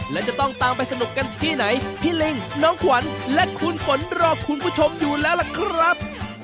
และจะต้องตามไปสนุกกันที่ไหนพี่ลิงน้องขวัญและคุณฝนรอคุณผู้ชมอยู่แล้วล่ะครับ